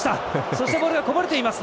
そしてボールがこぼれています。